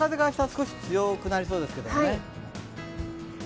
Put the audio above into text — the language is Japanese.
少し強くなりそうですけどね。